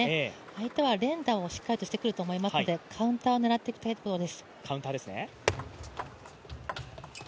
相手は連打をしっかりしてくると思いますのでカウンターを狙っていきたいところです。